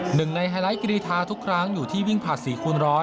หนึ่งในไฮไลท์กรีธาทุกครั้งอยู่ที่วิ่งผลัด๔คูณร้อย